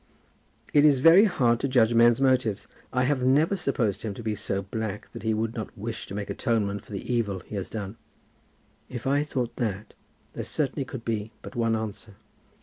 "It is very hard to judge of men's motives. I have never supposed him to be so black that he would not wish to make atonement for the evil he has done." "If I thought that there certainly could be but one answer."